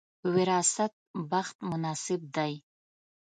وراثت بخت مناسب دی.